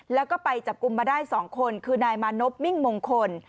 แล้วก็ไปจับกลุ่มมาได้๒คนคือนายมานพมิ่งมงคล